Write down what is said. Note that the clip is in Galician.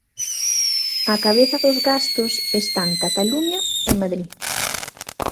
Á cabeza dos gasto están Cataluña e Madrid.